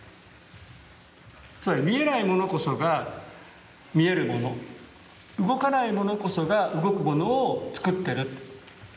つまり見えないものこそが見えるもの動かないものこそが動くものをつくってる。